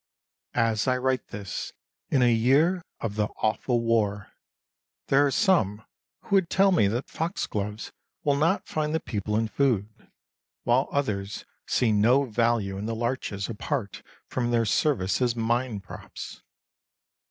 As I write this, in a year of the Awful War, there are some who would tell me that foxgloves will not find the people in food; while others see no value in the larches apart from their service as mine props.